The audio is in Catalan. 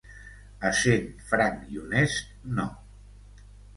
Essent franc i honest, no.